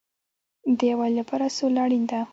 د یووالي لپاره سوله اړین ده